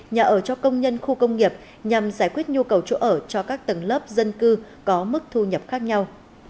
nhà ở cho công nhân khu công nghiệp nhằm giải quyết nhu cầu chỗ ở cho các tầng lớp dân cư có mức thu nhập khác nhau